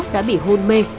đã bị hôn mê